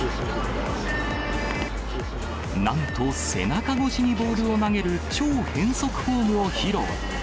なんと背中越しにボールを投げる超変則フォームを披露。